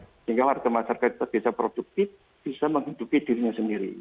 sehingga warga masyarakat bisa produktif bisa menghidupi dirinya sendiri